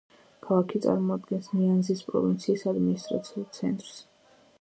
ქალაქი წარმოადგენს ნიანზის პროვინციის ადმინისტრაციულ ცენტრს.